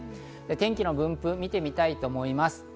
天気の分布を見てみたいと思います。